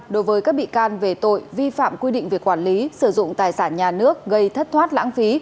đối với các bị can về tội vi phạm quy định về quản lý sử dụng tài sản nhà nước gây thất thoát lãng phí